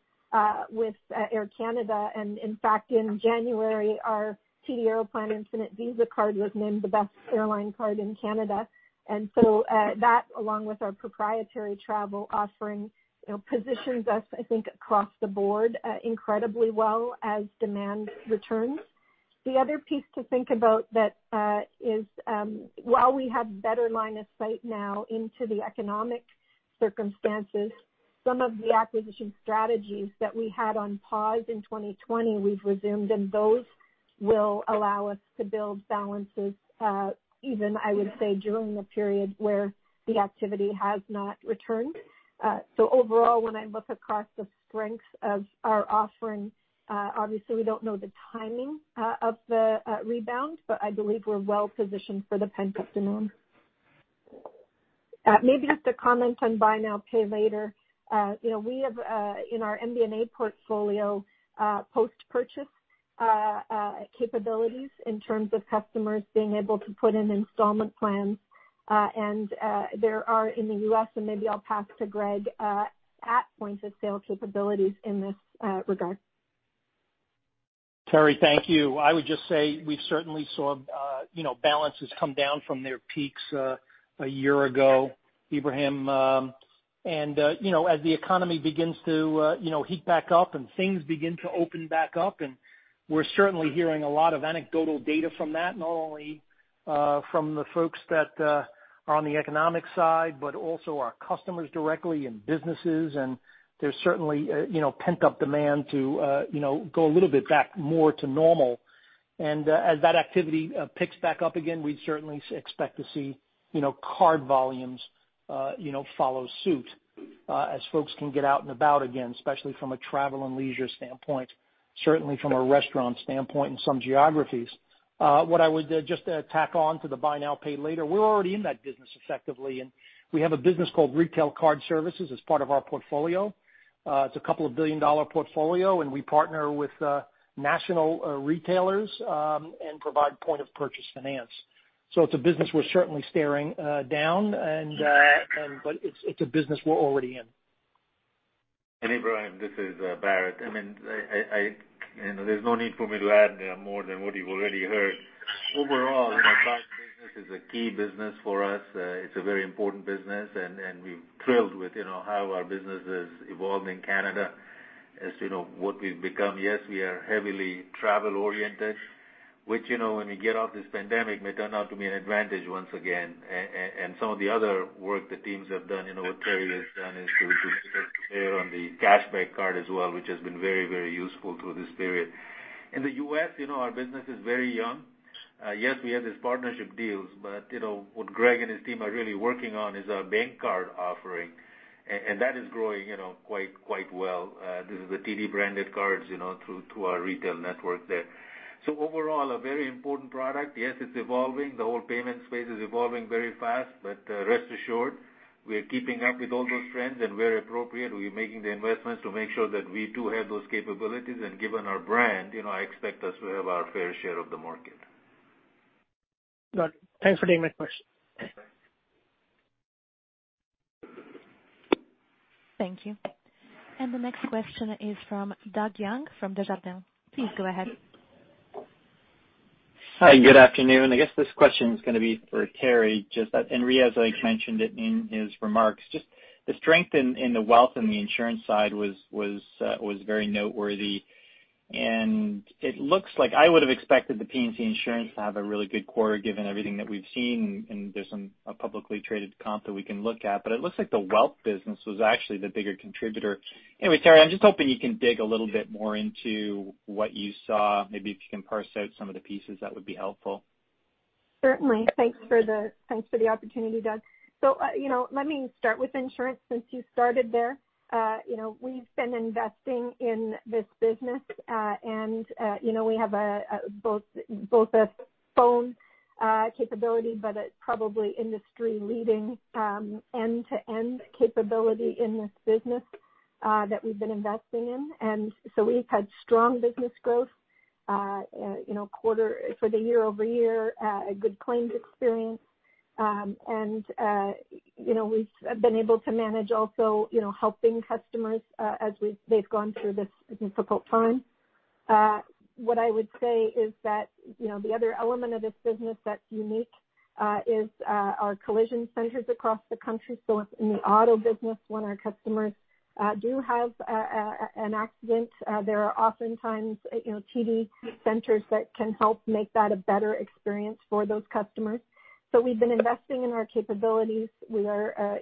with Air Canada. In fact, in January, our TD Aeroplan Visa Infinite card was named the best airline card in Canada. That, along with our proprietary travel offering, positions us, I think, across the board incredibly well as demand returns. The other piece to think about that is while we have better line of sight now into the economic circumstances, some of the acquisition strategies that we had on pause in 2020, we've resumed, and those will allow us to build balances even, I would say, during the period where the activity has not returned. Overall, when I look across the strengths of our offering, obviously we don't know the timing of the rebound, but I believe we're well positioned for the pent-up demand. Maybe just to comment on buy now, pay later. We have in our MBNA portfolio post-purchase capabilities in terms of customers being able to put in installment plans. There are in the U.S., and maybe I'll pass to Greg, at-point-of-sale capabilities in this regard. Teri, thank you. I would just say we certainly saw balances come down from their peaks a year ago, Ebrahim. As the economy begins to heat back up and things begin to open back up, and we're certainly hearing a lot of anecdotal data from that, not only from the folks that are on the economic side, but also our customers directly and businesses. There's certainly pent-up demand to go a little bit back more to normal. As that activity picks back up again, we'd certainly expect to see card volumes follow suit as folks can get out and about again, especially from a travel and leisure standpoint, certainly from a restaurant standpoint in some geographies. What I would just tack on to the buy now, pay later, we're already in that business effectively, and we have a business called Retail Card Services as part of our portfolio. It's a couple of billion-dollar portfolio, and we partner with national retailers and provide point-of-purchase finance. It's a business we're certainly staring down, but it's a business we're already in. Ebrahim, this is Bharat. There's no need for me to add more than what you've already heard. Overall, the card business is a key business for us. It's a very important business, and we're thrilled with how our business has evolved in Canada as what we've become. Yes, we are heavily travel-oriented, which, when we get off this pandemic, may turn out to be an advantage once again. Some of the other work the teams have done, what Teri has done is to there on the cashback card as well, which has been very useful through this period. In the U.S., our business is very young. Yes, we have these partnership deals, but what Greg and his team are really working on is our bank card offering, and that is growing quite well. This is the TD-branded cards through our retail network there. Overall, a very important product. Yes, it's evolving. The whole payment space is evolving very fast, but rest assured, we are keeping up with all those trends and where appropriate, we're making the investments to make sure that we too have those capabilities. Given our brand, I expect us to have our fair share of the market. Got it. Thanks for taking my question. Thank you. The next question is from Doug Young from Desjardins. Please go ahead. Hi, good afternoon. I guess this question is going to be for Teri. Riaz mentioned it in his remarks. Just the strength in the wealth and the insurance side was very noteworthy. It looks like I would have expected the P&C insurance to have a really good quarter given everything that we've seen. There's a publicly traded comp that we can look at. It looks like the wealth business was actually the bigger contributor. Anyway, Teri, I'm just hoping you can dig a little bit more into what you saw. Maybe if you can parse out some of the pieces, that would be helpful. Certainly. Thanks for the opportunity, Doug. Let me start with insurance since you started there. We've been investing in this business, and we have both a phone capability, but a probably industry-leading end-to-end capability in this business that we've been investing in. We've had strong business growth for the year-over-year, a good claims experience, and we've been able to manage also helping customers as they've gone through this difficult time. What I would say is that the other element of this business that's unique is our collision centers across the country. If in the auto business, when our customers do have an accident, there are oftentimes TD centers that can help make that a better experience for those customers. We've been investing in our capabilities. We are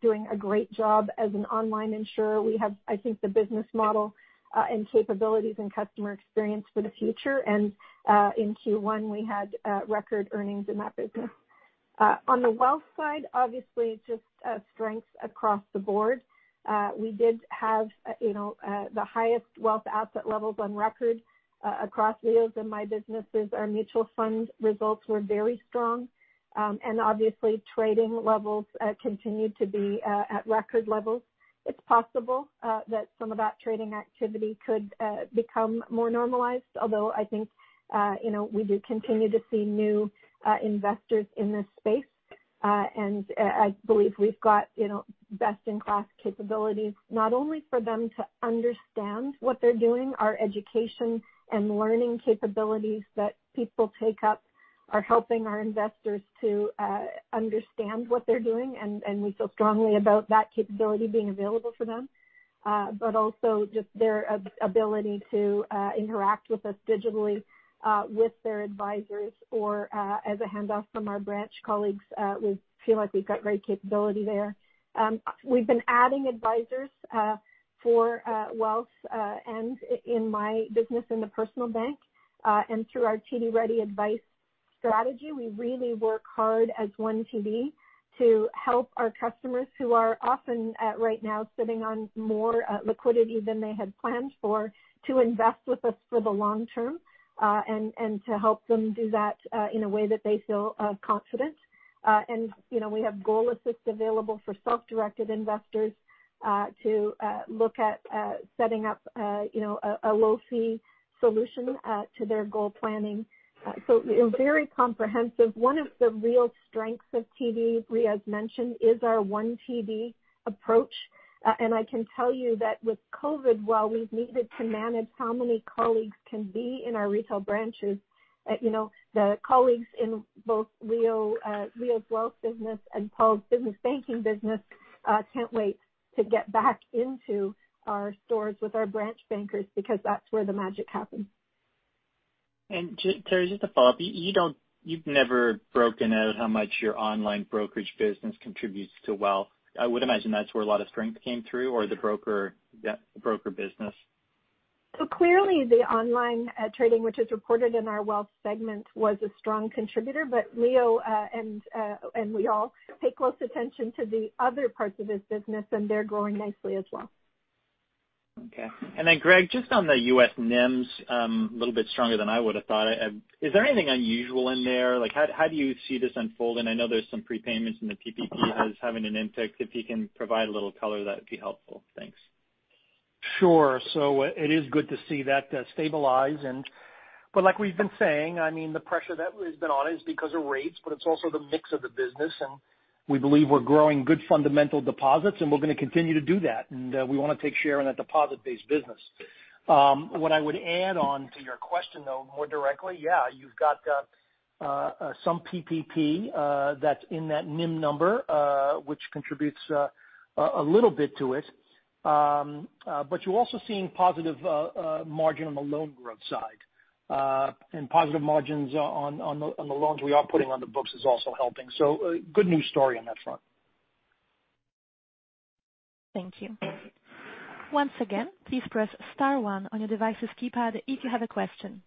doing a great job as an online insurer. We have, I think, the business model and capabilities and customer experience for the future. In Q1, we had record earnings in that business. On the wealth side, obviously, just strengths across the board. We did have the highest wealth asset levels on record across Riaz and my businesses. Our mutual fund results were very strong, and obviously trading levels continued to be at record levels. It's possible that some of that trading activity could become more normalized, although I think we do continue to see new investors in this space. I believe we've got best-in-class capabilities not only for them to understand what they're doing, our education and learning capabilities that people take up are helping our investors to understand what they're doing, and we feel strongly about that capability being available for them. Also just their ability to interact with us digitally with their advisors or as a handoff from our branch colleagues. We feel like we've got great capability there. We've been adding advisors for wealth and in my business in the personal bank, and through our TD Ready Advice strategy, we really work hard as One TD to help our customers who are often right now sitting on more liquidity than they had planned for, to invest with us for the long term, and to help them do that in a way that they feel confident. We have GoalAssist available for self-directed investors to look at setting up a low-fee solution to their goal planning. Very comprehensive. One of the real strengths of TD, Riaz mentioned, is our One TD approach. I can tell you that with COVID, while we've needed to manage how many colleagues can be in our retail branches, the colleagues in both Leo's wealth business and Paul's business banking business can't wait to get back into our stores with our branch bankers because that's where the magic happens. Teri, just a follow-up. You've never broken out how much your online brokerage business contributes to wealth. I would imagine that's where a lot of strength came through or the broker business. Clearly the online trading, which is reported in our wealth segment, was a strong contributor. Leo and we all pay close attention to the other parts of his business, and they're growing nicely as well. Okay. Then Greg, just on the U.S. NIMs, a little bit stronger than I would've thought. Is there anything unusual in there? How do you see this unfolding? I know there's some prepayments in the PPP as having an impact. If you can provide a little color, that'd be helpful. Thanks. Sure. It is good to see that stabilize. Like we've been saying, the pressure that has been on is because of rates, but it's also the mix of the business, and we believe we're growing good fundamental deposits, and we're going to continue to do that. We want to take share in a deposit-based business. What I would add on to your question, though, more directly, yeah, you've got some PPP that's in that NIM number, which contributes a little bit to it. You're also seeing positive margin on the loan growth side. Positive margins on the loans we are putting on the books is also helping. A good news story on that front. Thank you. Once again, please press star one on your device's keypad if you have a question.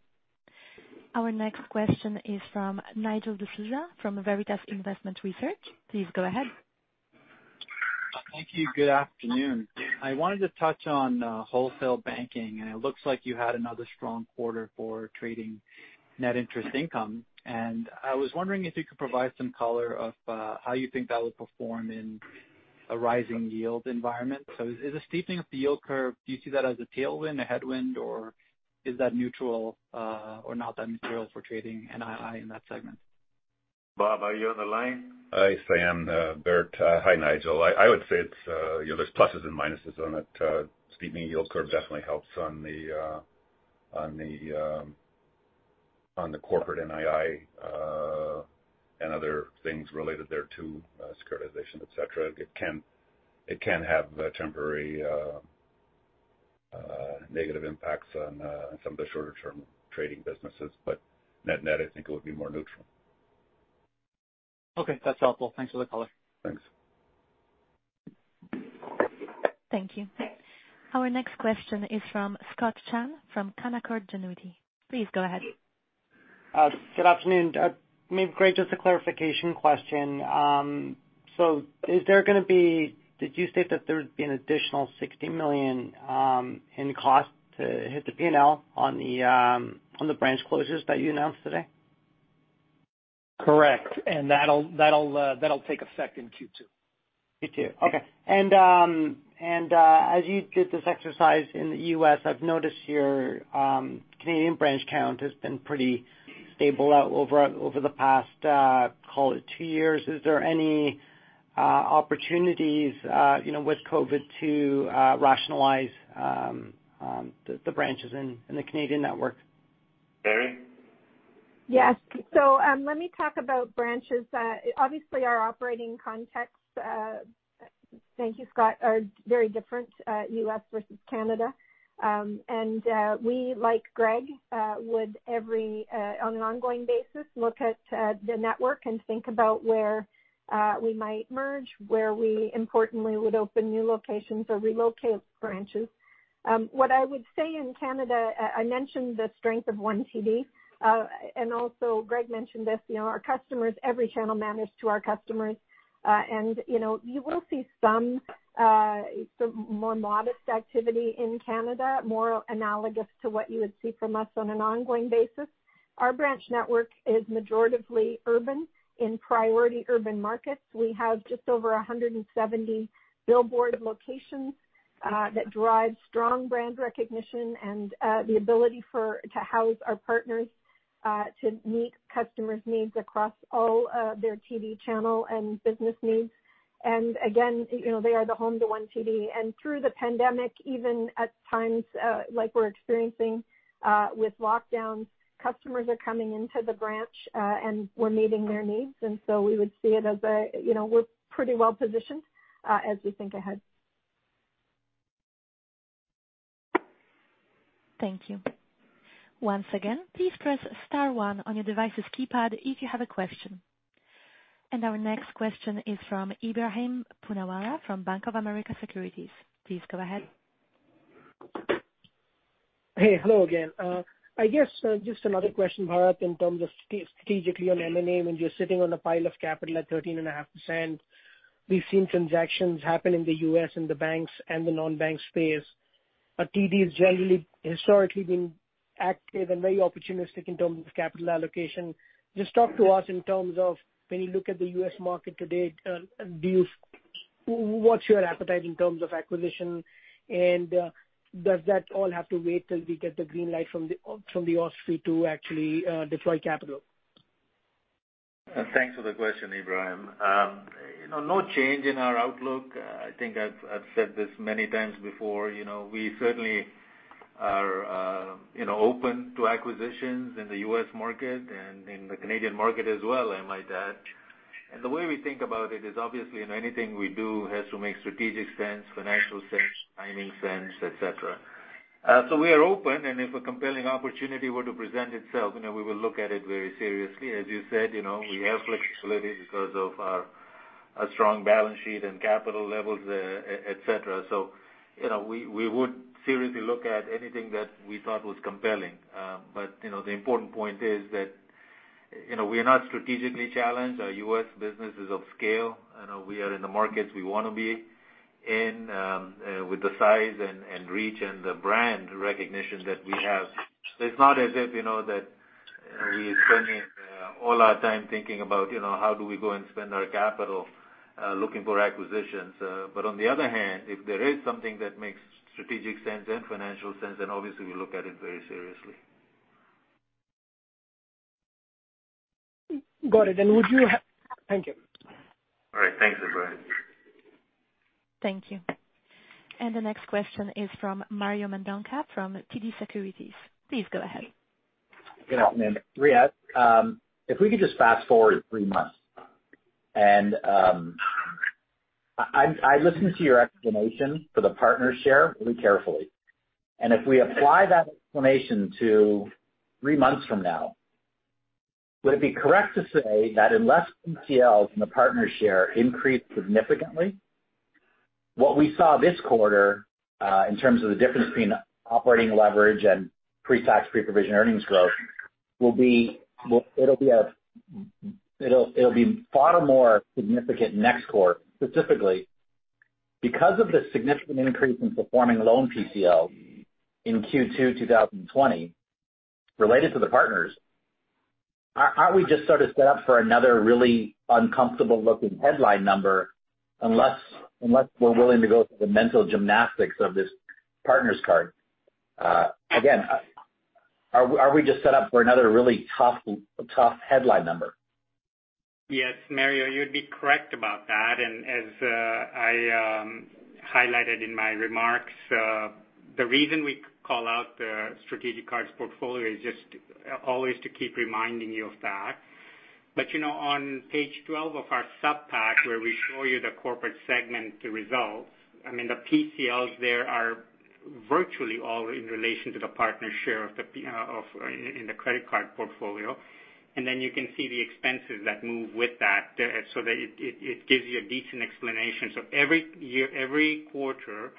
Our next question is from Nigel D'Souza from Veritas Investment Research. Please go ahead. Thank you. Good afternoon. I wanted to touch on Wholesale Banking, and it looks like you had another strong quarter for trading net interest income. I was wondering if you could provide some color of how you think that would perform in a rising yield environment. Is the steepening of the yield curve, do you see that as a tailwind, a headwind, or is that neutral or not that material for trading NII in that segment? Bob, are you on the line? Yes, I am, Bharat. Hi, Nigel. I would say there's pluses and minuses on it. Steepening yield curve definitely helps on the corporate NII and other things related thereto, securitization, et cetera. It can have temporary negative impacts on some of the shorter-term trading businesses. Net, I think it would be more neutral. Okay, that's helpful. Thanks for the color. Thanks. Thank you. Our next question is from Scott Chan from Canaccord Genuity. Please go ahead. Good afternoon. Maybe, Greg, just a clarification question. Did you state that there'd be an additional 60 million in cost to hit the P&L on the branch closures that you announced today? Correct. That'll take effect in Q2. Q2. Okay. As you did this exercise in the U.S., I've noticed your Canadian branch count has been pretty stable over the past, call it two years. Is there any opportunities with COVID to rationalize the branches in the Canadian network? Teri? Yes. Let me talk about branches. Obviously, our operating context, thank you, Scott, are very different, U.S. versus Canada. We, like Greg, would every, on an ongoing basis, look at the network and think about where we might merge, where we importantly would open new locations or relocate branches. What I would say in Canada, I mentioned the strength of One TD, and also Greg mentioned this, our customers, every channel matters to our customers. You will see some more modest activity in Canada, more analogous to what you would see from us on an ongoing basis. Our branch network is majoritively urban in priority urban markets. We have just over 170 billboard locations that drive strong brand recognition and the ability to house our partners to meet customers' needs across all of their TD channel and business needs. Again, they are the home to One TD. Through the pandemic, even at times like we're experiencing with lockdowns, customers are coming into the branch, and we're meeting their needs. We would see it as we're pretty well-positioned as we think ahead. Thank you. Once again, please press star one on your device's keypad if you have a question. Our next question is from Ebrahim Poonawala from Bank of America Securities. Please go ahead. Hey. Hello again. I guess just another question, Bharat, in terms of strategically on M&A, when you're sitting on a pile of capital at 13.5%, we've seen transactions happen in the U.S. in the banks and the non-bank space. TD has generally historically been active and very opportunistic in terms of capital allocation. Just talk to us in terms of when you look at the U.S. market today, what's your appetite in terms of acquisition, and does that all have to wait till we get the green light from the OSFI to actually deploy capital? Thanks for the question, Ebrahim. No change in our outlook. I think I've said this many times before. We certainly are open to acquisitions in the U.S. market and in the Canadian market as well, I might add. The way we think about it is obviously anything we do has to make strategic sense, financial sense, timing sense, et cetera. We are open, and if a compelling opportunity were to present itself, we will look at it very seriously. As you said, we have flexibility because of our strong balance sheet and capital levels, et cetera. We would seriously look at anything that we thought was compelling. The important point is that we are not strategically challenged. Our U.S. business is of scale, and we are in the markets we want to be in with the size and reach and the brand recognition that we have. It's not as if that we are spending all our time thinking about how do we go and spend our capital looking for acquisitions. On the other hand, if there is something that makes strategic sense and financial sense, obviously we look at it very seriously. Got it. Thank you. All right. Thanks, Ebrahim. Thank you. The next question is from Mario Mendonca from TD Securities. Please go ahead. Good afternoon. Riaz, if we could just fast-forward three months, I listened to your explanation for the partner share really carefully. If we apply that explanation to three months from now, would it be correct to say that unless PCLs and the partner share increase significantly, what we saw this quarter in terms of the difference between operating leverage and pre-tax pre-provision earnings growth it'll be far more significant next quarter, specifically because of the significant increase in performing loan PCL in Q2 2020 related to the partners. Aren't we just sort of set up for another really uncomfortable-looking headline number unless we're willing to go through the mental gymnastics of this partners card? Again, are we just set up for another really tough headline number? Yes, Mario, you'd be correct about that. As I highlighted in my remarks, the reason we call out the strategic cards portfolio is just always to keep reminding you of that. On page 12 of our supp pack, where we show you the corporate segment, the results, I mean, the PCLs there are virtually all in relation to the partner share in the credit card portfolio. You can see the expenses that move with that so that it gives you a decent explanation. Every quarter,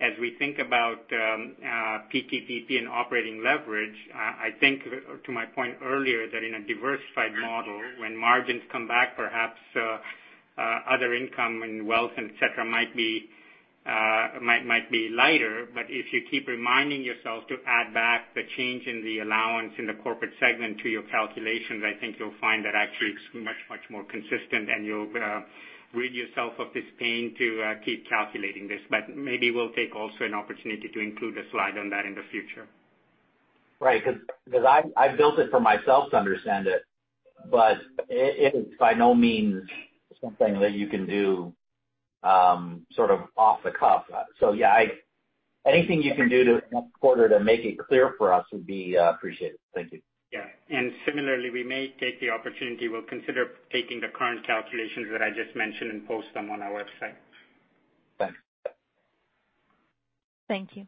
as we think about PTPP and operating leverage, I think to my point earlier, that in a diversified model, when margins come back, perhaps other income and wealth, et cetera, might be lighter. If you keep reminding yourself to add back the change in the allowance in the corporate segment to your calculations, I think you'll find that actually it's much, much more consistent, and you'll rid yourself of this pain to keep calculating this. Maybe we'll take also an opportunity to include a slide on that in the future. Right. Because I've built it for myself to understand it, but it is by no means something that you can do sort of off the cuff. Yeah. Anything you can do next quarter to make it clear for us would be appreciated. Thank you. Yeah. Similarly, we may take the opportunity. We'll consider taking the current calculations that I just mentioned and post them on our website. Thanks. Thank you.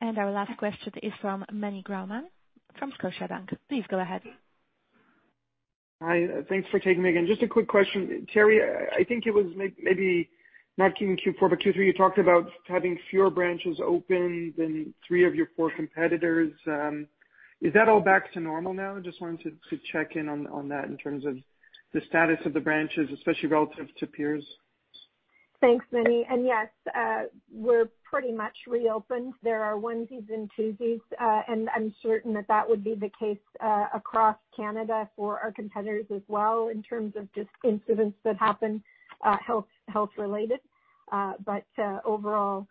Our last question is from Meny Grauman from Scotiabank. Please go ahead. Hi. Thanks for taking me again. Just a quick question. Teri, I think it was maybe not in Q4, but Q3, you talked about having fewer branches open than three of your four competitors. Is that all back to normal now? Just wanted to check in on that in terms of the status of the branches, especially relative to peers. Thanks, Meny. Yes, we're pretty much reopened. There are onesies and twosies, I'm certain that that would be the case across Canada for our competitors as well in terms of just incidents that happen health-related. Overall,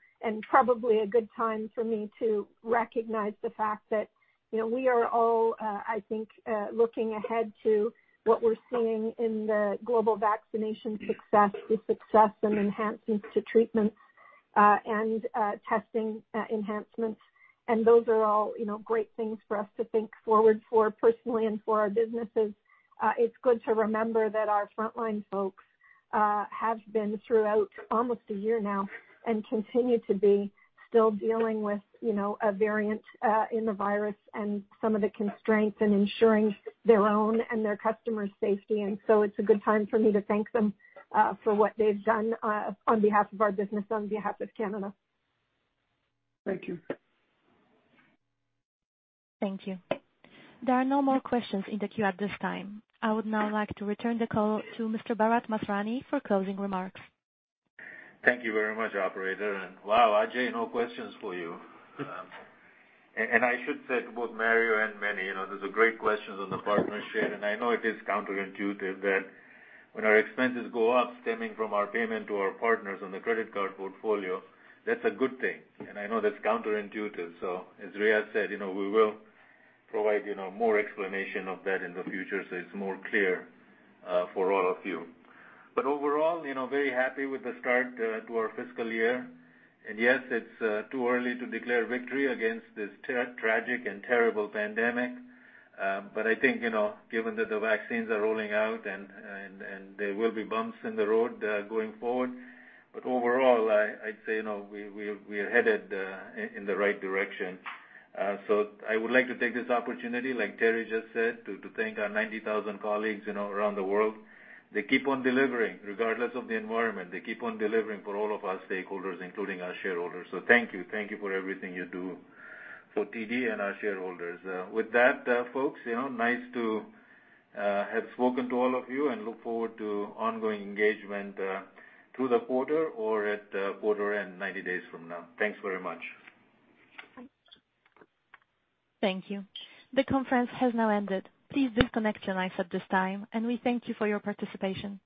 probably a good time for me to recognize the fact that we are all, I think looking ahead to what we're seeing in the global vaccination success, the success and enhancements to treatments and testing enhancements. Those are all great things for us to think forward for personally and for our businesses. It's good to remember that our frontline folks have been throughout almost one year now and continue to be still dealing with a variant in the virus and some of the constraints and ensuring their own and their customers' safety. It's a good time for me to thank them for what they've done on behalf of our business, on behalf of Canada. Thank you. Thank you. There are no more questions in the queue at this time. I would now like to return the call to Mr. Bharat Masrani for closing remarks. Thank you very much, operator. Wow, Ajai, no questions for you. I should say to both Mario and Meny, those are great questions on the partnership, and I know it is counterintuitive that when our expenses go up stemming from our payment to our partners on the credit card portfolio, that's a good thing. I know that's counterintuitive. As Riaz said, we will provide more explanation of that in the future so it's more clear for all of you. Overall, very happy with the start to our fiscal year. Yes, it's too early to declare victory against this tragic and terrible pandemic. I think given that the vaccines are rolling out, and there will be bumps in the road going forward. Overall, I'd say we are headed in the right direction. I would like to take this opportunity, like Teri just said, to thank our 90,000 colleagues around the world. They keep on delivering regardless of the environment. They keep on delivering for all of our stakeholders, including our shareholders. Thank you. Thank you for everything you do for TD and our shareholders. With that, folks, nice to have spoken to all of you and look forward to ongoing engagement through the quarter or at quarter-end 90 days from now. Thanks very much. Thank you. The conference has now ended. Please disconnect your lines at this time, and we thank you for your participation.